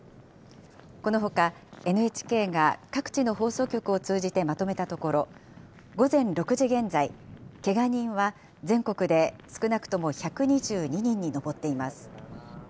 このほか、ＮＨＫが各地の放送局を通じてまとめたところ、午前６時現在、けが人は全国で少なくとも１２２人に上っています。